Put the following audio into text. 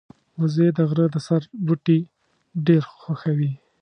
وزې د غره د سر بوټي ډېر خوښوي